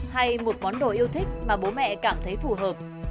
hay một món đồ yêu thích mà bố mẹ cảm thấy phù hợp